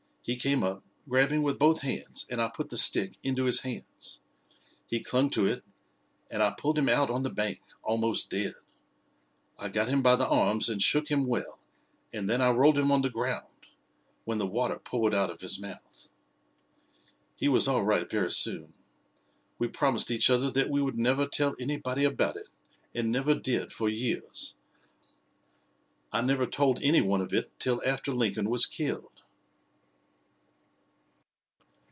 He came up, grabbing with both hands, and I put the stick into his hands. He clung to it, and I pulled him out on the bank, almost dead. I got him by the arms and shook him well, and then I rolled him on the ground, when the water poured out of his mouth. "He was all right very soon. We promised each other that we would never tell anybody about it, and never did for years. I never told any one of it till after Lincoln was killed."